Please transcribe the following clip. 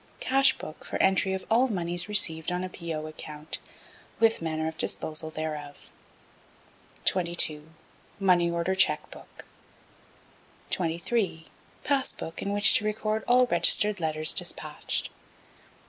Cash Book for entry of all monies received on P.O. account, with manner of disposal thereof. 22. Money Order Cheque Book. 23. Pass Book in which to record all Registered Letters despatched.